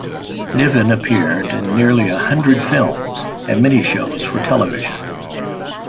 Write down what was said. Niven appeared in nearly a hundred films, and many shows for television.